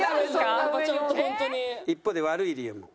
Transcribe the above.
一方で悪い理由も。